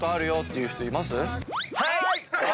はい！